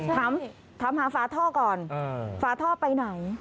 ใช่ถามหาฟ้าท่อก่อนฟ้าท่อไปไหน